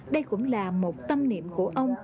đây cũng là một tâm niệm của ông